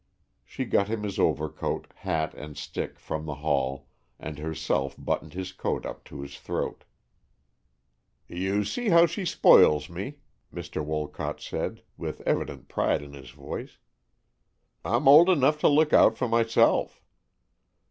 She got him his overcoat, hat, and stick from the hall, and herself buttoned his coat up to his throat. "You see how she spoils me," Mr. Wolcott said, with evident pride in his voice. "I'm old enough to look out for myself."